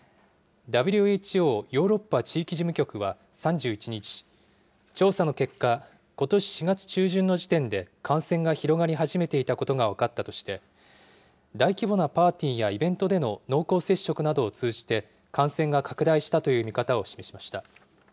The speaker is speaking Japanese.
ＷＨＯヨーロッパ地域事務局は３１日、調査の結果、ことし４月中旬の時点で、感染が広がり始めていたことが分かったとして、大規模なパーティーやイベントでの濃厚接触などを通じて、感染が拡大したという見方を示しました。